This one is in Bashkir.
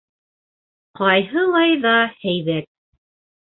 Ҡайһылай ҙа һәйбәт.